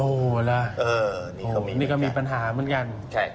อูหหหนี่กับมีปัญหาเหมือนกัน